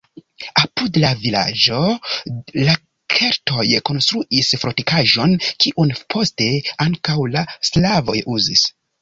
Apud la vilaĝo la keltoj konstruis fortikaĵon, kiun poste ankaŭ la slavoj uzis.